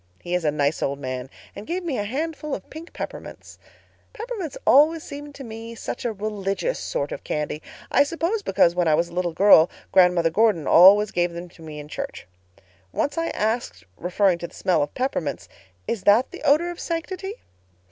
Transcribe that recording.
He is a nice old man and gave me a handful of pink peppermints. Peppermints always seem to me such a religious sort of candy—I suppose because when I was a little girl Grandmother Gordon always gave them to me in church. Once I asked, referring to the smell of peppermints, 'Is that the odor of sanctity?